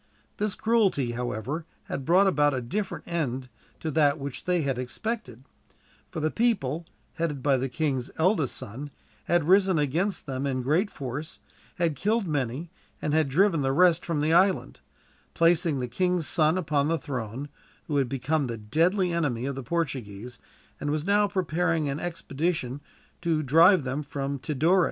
This cruelty, however, had brought about a different end to that which they had expected; for the people, headed by the king's eldest son, had risen against them in great force, had killed many, and had driven the rest from the island; placing the king's son upon the throne, who had become the deadly enemy of the Portuguese, and was now preparing an expedition to drive them from Tidore.